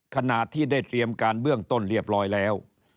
ขณะที่ได้เตรียมการเบื้องต้นเรียบร้อยแล้ว